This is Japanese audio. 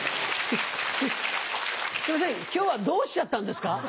すいません今日はどうしちゃったんですか？